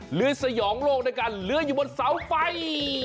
สยองโลกด้วยการเหลืออยู่บนเสาไฟ